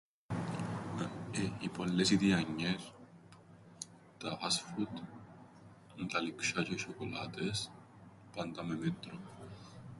Ε, οι πολλές οι τηανιές, τα φαστ φουντ, τα λεικσ̆ιά τζ̆αι οι σ̆οκολάτες, πάντα με μέτρον.